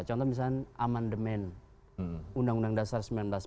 contoh misalnya amandemen undang undang dasar seribu sembilan ratus empat puluh